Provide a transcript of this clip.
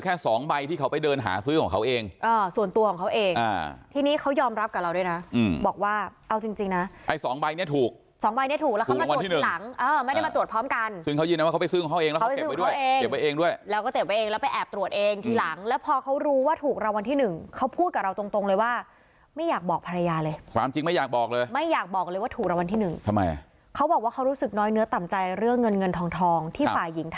ซึ่งเขายืนว่าเขาไปซื้อห้องห้องเองแล้วเขาไปเก็บไว้ด้วยเก็บไว้เองด้วยแล้วก็เก็บไว้เองแล้วไปแอบตรวจเองทีหลังแล้วพอเขารู้ว่าถูกรัววันที่หนึ่งเขาพูดกับเราตรงเลยว่าไม่อยากบอกภรรยาเลยความจริงไม่อยากบอกเลยไม่อยากบอกเลยว่าถูกรัววันที่หนึ่งทำไมเขาบอกว่าเขารู้สึกน้อยเนื้อต่ำใจเรื่องเงินเงินท